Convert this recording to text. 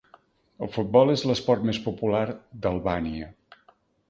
El futbol és l'esport més popular d'Albània.